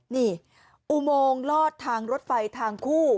นี่อุโมงลอดทางรถไฟทางคู่